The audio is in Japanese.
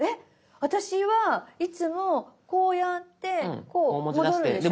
私はいつもこうやってこう。戻るでしょ。